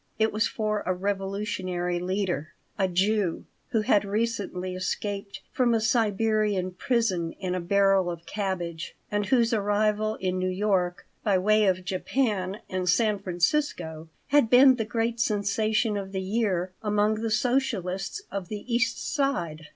It was for a revolutionary leader, a Jew, who had recently escaped from a Siberian prison in a barrel of cabbage and whose arrival in New York (by way of Japan and San Francisco) had been the great sensation of the year among the socialists of the East Side.